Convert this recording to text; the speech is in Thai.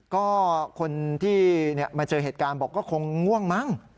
ก็คนที่มาเจอเหตุการณ์บอกก็คงง่วงมั้ง